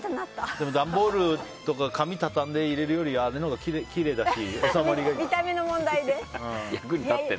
でも段ボールとか紙を畳んで入れるよりあれのほうがきれいだし収まりがいい。